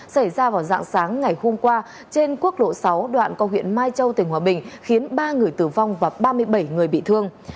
xảy ra vào dạng sáng ngày hôm qua trên quốc lộ sáu đoạn qua huyện mai châu tỉnh hòa bình khiến ba người tử vong và ba mươi bảy người bị thương